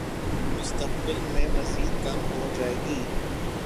مستقبل میں مزید کم ہو جائے گی